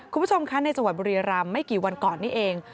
คุณผู้ชมคะในจังหวัดบุรีรำไม่กี่วันก่อนนี้เอง